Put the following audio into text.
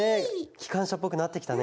きかんしゃっぽくなってきたね。